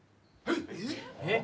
えっ！？